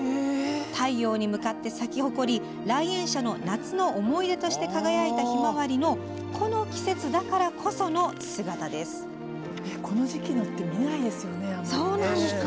太陽に向かって咲き誇り来園者の夏の思い出として輝いたひまわりのこの季節だからこその姿です。